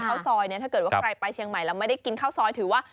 ข้าวซอยเนี่ยถ้าเกิดว่าใครไปเชียงใหม่แล้วไม่ได้กินข้าวซอยถือว่า